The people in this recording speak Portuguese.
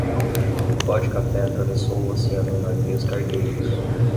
O pó de café atravessou o oceano em navios cargueiros